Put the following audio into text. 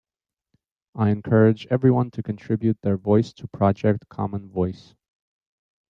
I encourage everyone to contribute their voice to Project Common Voice.